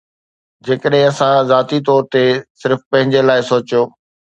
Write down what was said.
جيڪڏهن اسان ذاتي طور تي صرف پنهنجي لاء سوچيو